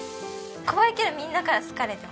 怖いけどみんなから好かれてますね。